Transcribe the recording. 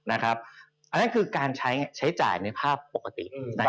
อันนั้นคือการใช้จ่ายในภาพปกติ